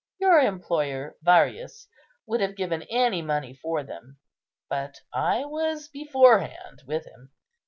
Your employer, Varius, would have given any money for them, but I was beforehand with him.